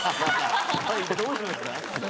どうしました？